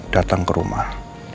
datang ke rumah